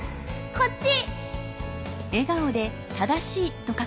こっち！